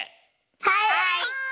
はい！